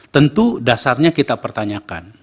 tentu dasarnya kita pertanyakan